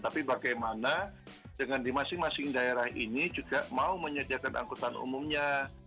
tapi bagaimana dengan di masing masing daerah ini juga mau menyediakan angkutan umumnya